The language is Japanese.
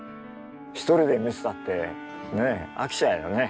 一人で見てたってね飽きちゃうよね。